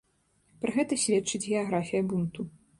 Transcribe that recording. Пра гэта сведчыць геаграфія бунту.